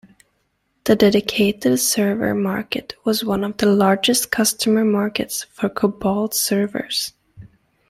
The dedicated server market was one of the largest customer markets for Cobalt servers.